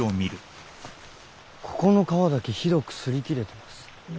ここの皮だけひどくすり切れてます。